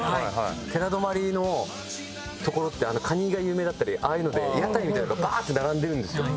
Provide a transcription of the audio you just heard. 寺泊の所ってカニが有名だったりああいうので屋台みたいなのがバーッて並んでるんですよ。